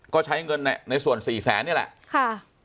ก็ใช้เงินในส่วนสี่แสนนี่แหละค่ะ